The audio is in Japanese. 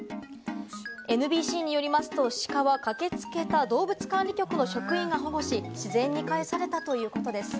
ＮＢＣによりますと、シカは駆けつけた動物管理局の職員が保護し、自然にかえされたということです。